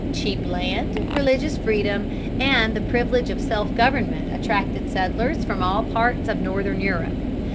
Cheap land, religious freedom, and the privilege of self government attracted settlers from all parts of northern Europe.